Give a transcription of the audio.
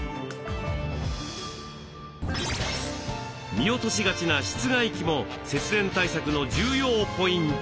見落としがちな室外機も節電対策の重要ポイント。